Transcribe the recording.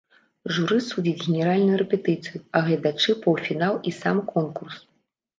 Журы судзіць генеральную рэпетыцыю, а гледачы паўфінал і сам конкурс.